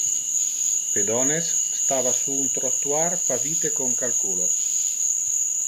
Pedones stava sur un trottoir pavite con calculos.